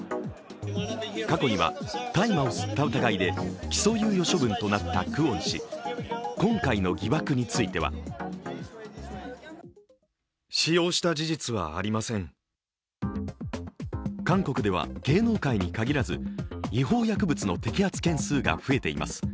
過去には大麻を吸った疑いで起訴猶予処分となったクォン氏、今回の疑惑については韓国では芸能界に限らず違法薬物の摘発件数が増えています。